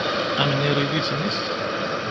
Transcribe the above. Amnir i d isem-is?